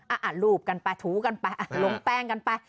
อ่ะรูปกันไปถูกันไปลงแป้งกันไป